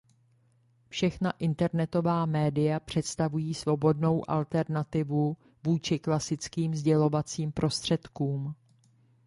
Všechna internetová média představují svobodnou alternativu vůči klasickým sdělovacím prostředkům.